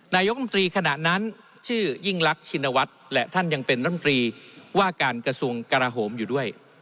นายกรรมตรีขณะนั้นชื่อยิ่งรักชินวัฒน์และท่านยังเป็นรัฐมนตรีว่าการกระทรวงกราโหมอยู่ด้วย